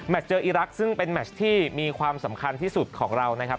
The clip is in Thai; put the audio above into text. เจออีรักษ์ซึ่งเป็นแมชที่มีความสำคัญที่สุดของเรานะครับ